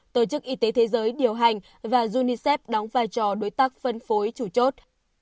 tổ chức y tế thế giới điều hành và unicef đóng vai trò đối tác phân phối chủ chốt